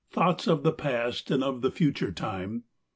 Thoughts of the past and of the future time.